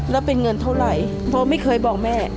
แล้วเป็นเงินเท่าไหร่เพราะไม่เคยบอกแม่